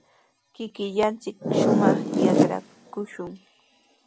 Kikillanchik shumaq yatrakushun.